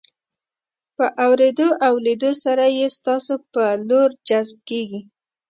په اورېدو او لیدو سره یې ستاسو په لور جذب کیږي.